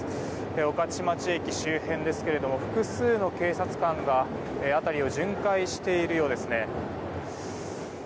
御徒町駅周辺ですが複数の警察官が辺りを巡回しているようですね。